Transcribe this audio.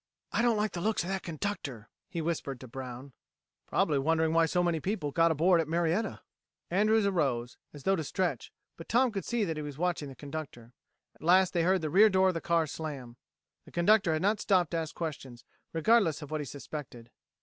"I don't like the looks of that conductor," he whispered to Brown. "Probably wondering why so many people got aboard at Marietta." Andrews arose, as though to stretch, but Tom could see that he was watching the conductor. At last they heard the rear door of the car slam. The conductor had not stopped to ask questions, regardless of what he suspected.